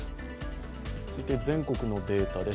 続いて全国のデータです。